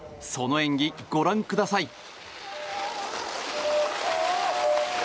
その演技、ご覧ください。